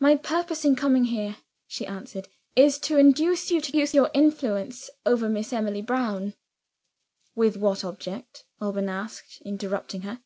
"My purpose in coming here," she answered, "is to induce you to use your influence over Miss Emily Brown " "With what object?" Alban asked, interrupting her.